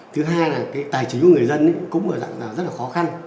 thứ hai là cái tài chính của người dân cũng ở dạng rất là khó khăn